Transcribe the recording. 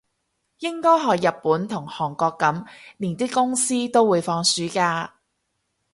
應該學日本同韓國噉，連啲公司都會放暑假